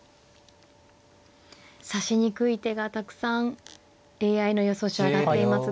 指しにくい手がたくさんＡＩの予想手挙がっています。